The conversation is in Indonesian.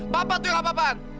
papa tuh yang apa apaan